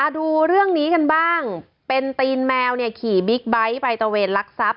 ดูเรื่องนี้กันบ้างเป็นตีนแมวเนี่ยขี่บิ๊กไบท์ไปตระเวนลักทรัพย